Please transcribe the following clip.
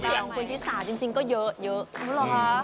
ข้อเสี่ยงของคุณชิสาจริงก็เยอะอ๋อเหรอคะ